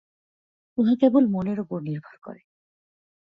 উহা কেবল মনের উপর নির্ভর করে।